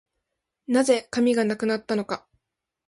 何故、紙がなくなったのか